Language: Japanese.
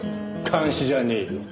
監視じゃねえよ。